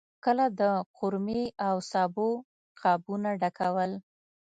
کله د قورمې او سابو قابونه ډکول.